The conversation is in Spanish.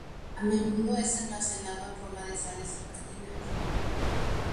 A menudo es almacenado en forma de sales alcalinas.